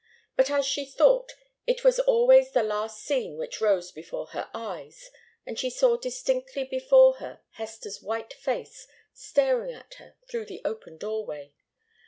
But as she thought, it was always the last scene which rose before her eyes, and she saw distinctly before her Hester's white face staring at her through the open doorway.